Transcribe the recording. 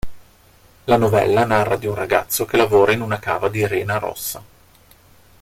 La novella narra di un ragazzo che lavora in una cava di rena rossa.